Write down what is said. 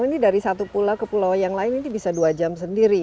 jadi dari satu pulau ke pulau yang lain ini bisa dua jam sendiri